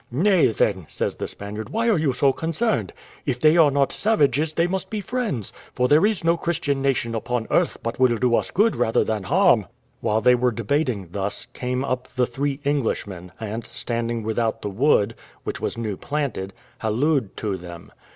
"Nay, then," says the Spaniard, "why are you so concerned! If they are not savages they must be friends; for there is no Christian nation upon earth but will do us good rather than harm." While they were debating thus, came up the three Englishmen, and standing without the wood, which was new planted, hallooed to them.